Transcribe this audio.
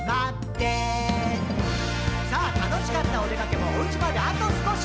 「さぁ楽しかったおでかけもお家まであと少し」